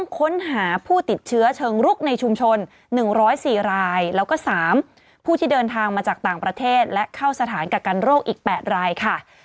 ค้นหาผู้ติดเชื้อเชิงรุกในชุมชน๑๐๔รายแล้วก็๓ผู้ที่เดินทางมาจากต่างประเทศและเข้าสถานกักกันโรคอีก๘รายค่ะ